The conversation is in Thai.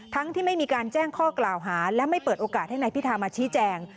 ที่ไม่มีการแจ้งข้อกล่าวหาและไม่เปิดโอกาสให้นายพิธามาชี้แจง